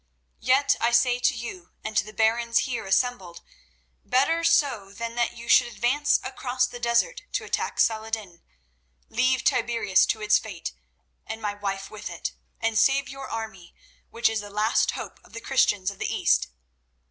Yet I say to you, and to the barons here assembled, better so than that you should advance across the desert to attack Saladin. Leave Tiberias to its fate and my wife with it, and save your army, which is the last hope of the Christians of the East.